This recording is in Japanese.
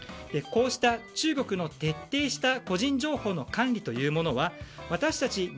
こうした中国の徹底した個人情報の管理というものは私たち